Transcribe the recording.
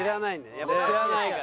やっぱ知らないから。